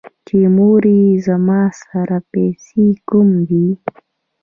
چې مورې زما سره پېسې کوم دي ـ